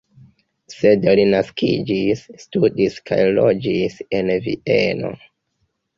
Sed li naskiĝis, studis kaj loĝis en Vieno.